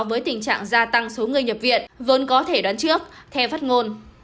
với tình trạng gia tăng số người nhập viện vốn có thể đoán trước theo phát ngôn